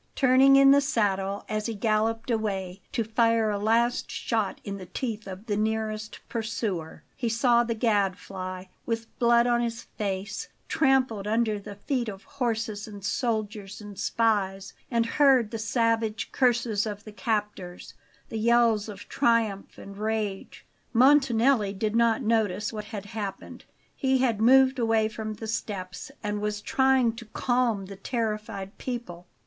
Turning in the saddle as he galloped away, to fire a last shot in the teeth of the nearest pursuer, he saw the Gadfly, with blood on his face, trampled under the feet of horses and soldiers and spies; and heard the savage curses of the captors, the yells of triumph and rage. Montanelli did not notice what had happened; he had moved away from the steps, and was trying to calm the terrified people.